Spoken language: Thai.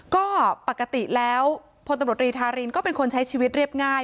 ก็ปกติแล้วพลตำรวจรีธารินก็เป็นคนใช้ชีวิตเรียบง่าย